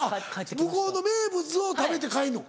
向こうの名物を食べて帰るの？